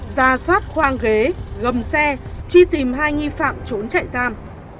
ra soát khoang ghế gầm xe truy tìm hai nghi phạm trốn chạy giam